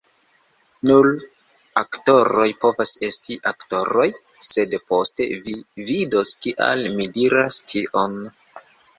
Nur aktoroj povas esti aktoroj. sed poste, vi vidos kial mi diras tion.